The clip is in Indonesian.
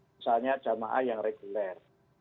misalnya jamaah yang reguler